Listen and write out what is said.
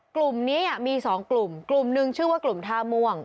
กลุ่มนี้มี๒กลุ่มกลุ่มหนึ่งชื่อว่ากลุ่มท่าม่วง